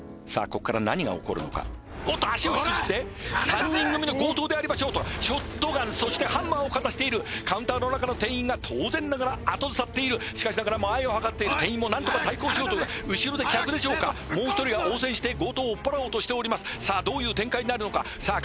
ここから何が起こるのかおっと足を引きずって３人組の強盗でありましょうかショットガンそしてハンマーをかざしているカウンターの中の店員が当然ながら後ずさっているしかし間合いをはかっている店員も何とか対抗しようと後ろで客でしょうかもう一人が応戦して強盗を追っ払おうとしておりますさあどういう展開になるのかさあ